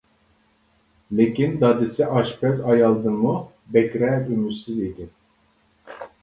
لېكىن دادىسى ئاشپەز ئايالدىنمۇ بەكرەك ئۈمىدسىز ئىدى.